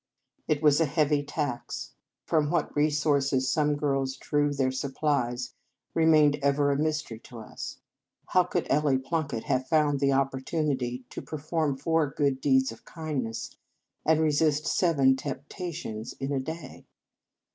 It was a heavy tax. From what resources some girls drew their sup plies remained ever a mystery to us. How could Ellie Plunkett have found the opportunity to perform four deeds of kindness, and resist seven tempta tions, in a day?